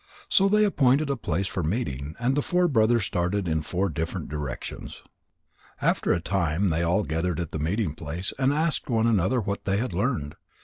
So they appointed a place for meeting, and the four brothers started in four different directions. After a time they all gathered at the meeting place, and asked one another what they had learned.